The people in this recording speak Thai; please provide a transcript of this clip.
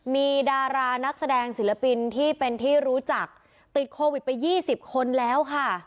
มีดารานักแสดงศิลปินที่เป็นที่รู้จักติดโควิดไป๒๐คนแล้วค่ะ